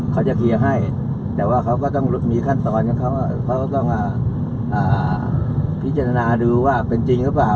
เขาจะเคลียร์ให้แต่ว่าเขาก็ต้องมีขั้นตอนให้เขาก็ต้องพิจารณาดูว่าเป็นจริงหรือเปล่า